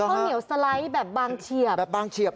เหรอฮะแบบบางเฉียบแบบบางเฉียบ